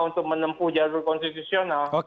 untuk menempuh jarur konstitusional